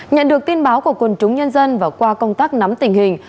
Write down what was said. nhận được tin báo của quân chúng nhân dân và qua công tác nắm tình hình